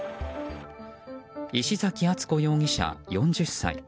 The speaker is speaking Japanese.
石崎敦子容疑者、４０歳。